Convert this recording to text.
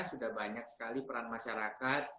sudah banyak sekali peran masyarakat